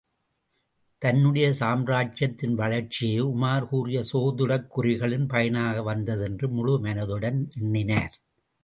தன்னுடைய சாம்ராஜ்யத்தின் வளர்ச்சியே, உமார் கூறிய சோதிடக்குறிகளின் பயனாக வந்ததென்று முழு மனதுடன் எண்ணினார்.